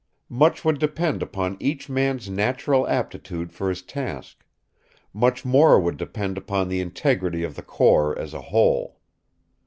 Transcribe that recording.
Much would depend upon each man's natural aptitude for his task; much more would depend upon the integrity of the corps as a whole.